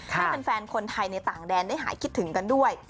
ให้แฟนคนไทยในต่างแดนได้หายคิดถึงกันด้วย